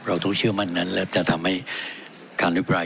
เราต้องเชื่อมั่นนั้นและจะทำให้การอภิปราย